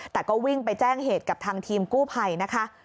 แต่ก็วิ่งไปแจ้งเหตุกับทางทีมกู้ภัยนะคะ